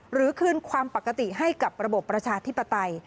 หรือคืนความปกติให้กับระบบประชาธิปไตย